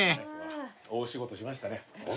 大仕事しましたね。